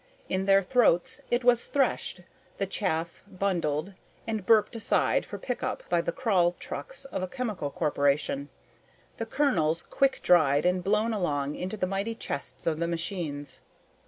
In their throats, it was threshed, the chaff bundled and burped aside for pickup by the crawl trucks of a chemical corporation, the kernels quick dried and blown along into the mighty chests of the machines.